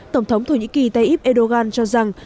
tổng thống thổ nhĩ kỳ tayyip erdogan cho rằng